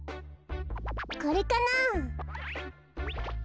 これかなあ？